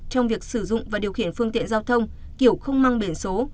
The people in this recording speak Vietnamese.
trong việc sử dụng và điều khiển phương tiện giao thông kiểu không mang biển số